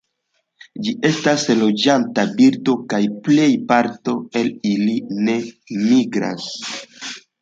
Ĝi estas loĝanta birdo kaj plej parto el ili ne migras.